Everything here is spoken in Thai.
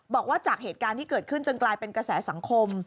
บอกว่าจากเหตุการณ์ที่เกิดขึ้นจนกลายเป็นกระแสสังคม